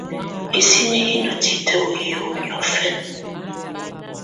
Hisini hi ndɔ́ titǝ́ ú hiwǝ́ niɔ̀fɛna.